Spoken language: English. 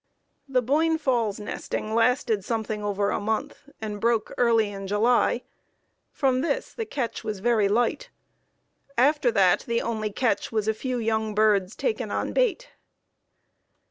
The Boyne Falls nesting lasted something over a month and broke early in July; from this the catch was very light. After that, the only catch was a few young birds taken "on bait."